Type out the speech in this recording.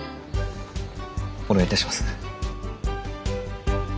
お願いいたします。